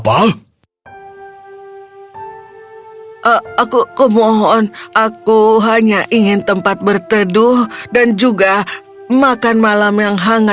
aku tidak pernah mendengarkan nasihatnya